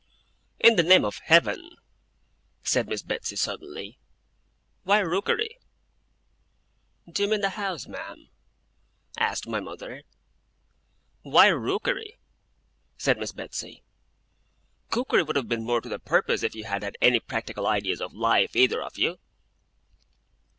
'In the name of Heaven,' said Miss Betsey, suddenly, 'why Rookery?' 'Do you mean the house, ma'am?' asked my mother. 'Why Rookery?' said Miss Betsey. 'Cookery would have been more to the purpose, if you had had any practical ideas of life, either of you.